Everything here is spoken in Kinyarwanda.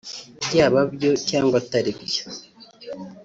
“Byaba byo cyangwa atari byo